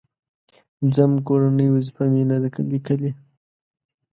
_ځم، کورنۍ وظيفه مې نه ده ليکلې.